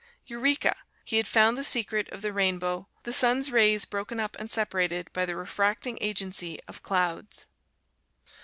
Eureka! He had found the secret of the rainbow the sun's rays broken up and separated by the refracting agency of clouds!